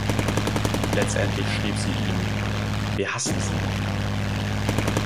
Letztendlich schrieb sie ihm: „Wir hassen Sie.